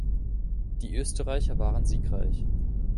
Die Österreicher waren siegreich.